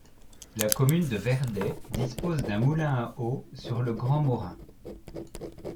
La commune de Verdey dispose d'un moulin à eau sur le Grand-Morin.